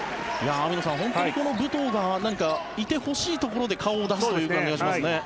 網野さん、本当にこの武藤がいてほしいところで顔を出すという感じがしますね。